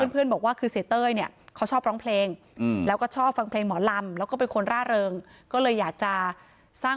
เพื่อนบอกว่าเสียเต้ยเขาชอบร้องเพลงแล้วก็ชอบฟังเพลงหมอล่ำ